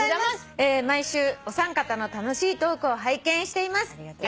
「毎週お三方の楽しいトークを拝見しています」